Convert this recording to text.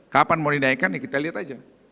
kapan mau dinaikkan ya kita lihat aja